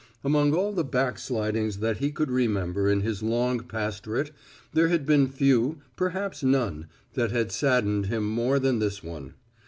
Among all the backslidings that he could remember in his long pastorate there had been few, perhaps none, that had saddened him more than this one.